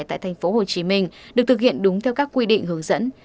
tại tp hcm được thực hiện đúng theo các quy định hướng dẫn